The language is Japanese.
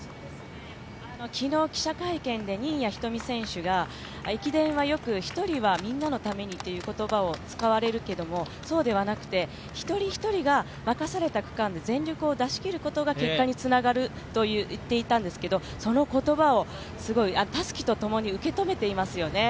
昨日、記者会見で新谷仁美選手が駅伝はよく「１人はみんなのために」という言葉を使われるけどそうではなくて、一人一人が任された区間で全力を出し切ることが結果につながると言っていたんですけれども、その言葉をたすきとともに受け止めていますよね。